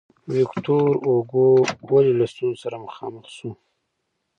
ویکتور هوګو ولې له ستونزو سره مخامخ شو.